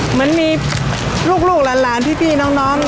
เหมือนมีลูกหลานพี่น้อง